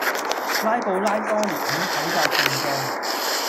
拉布拉多獵犬體格健壯